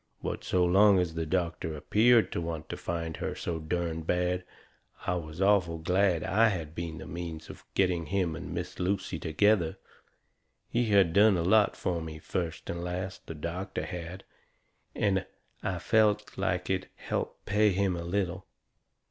But, so long as the doctor appeared to want to find her so derned bad, I was awful glad I had been the means of getting him and Miss Lucy together. He had done a lot fur me, first and last, the doctor had, and I felt like it helped pay him a little.